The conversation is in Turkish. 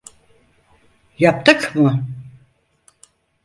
Yaptık mı?